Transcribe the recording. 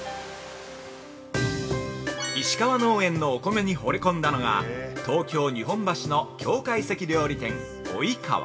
石川農園のお米にほれ込んだのが東京・日本橋の京懐石料理店